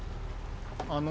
あの。